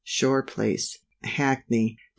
Shore place, Hackney, Dec.